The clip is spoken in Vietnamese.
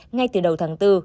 ngay từ đầu tháng bốn